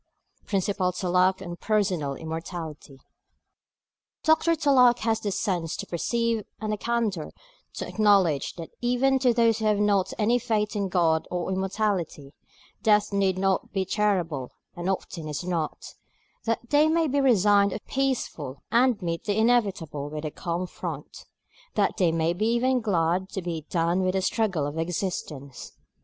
PRINCIPAL TULLOCH ON PERSONAL IMMORTALITY [two excerpts.] (1877.) Dr. Tulloch has the sense to perceive and the candor to acknowledge that even to those who have not any faith in God or Immortality, death need not be terrible, and often is not; that they may be resigned or peaceful, and meet the inevitable with a calm front; that they may be even glad to be done with the struggle of existence.